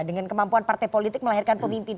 dengan kemampuan partai politik melahirkan pemimpin